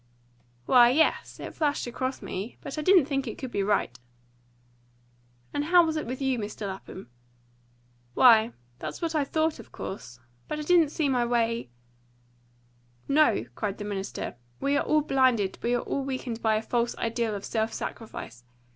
"Why, yes, it flashed across me. But I didn't think it could be right." "And how was it with you, Mr. Lapham?" "Why, that's what I thought, of course. But I didn't see my way " "No," cried the minister, "we are all blinded, we are all weakened by a false ideal of self sacrifice.